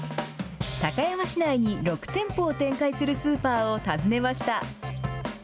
高山市内に６店舗を展開するスーパーを訪ねました。